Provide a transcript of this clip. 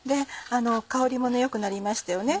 香りも良くなりましたよね。